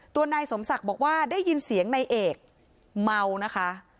นายสมศักดิ์บอกว่าได้ยินเสียงนายเอกเมานะคะ